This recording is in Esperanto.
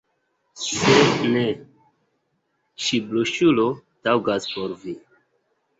Se ne, ĉi broŝuro taŭgas por vi.